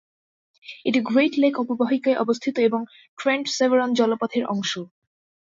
এটি great lake অববাহিকায় অবস্থিত এবং ট্রেন্ট-সেভারন জলপথের অংশ।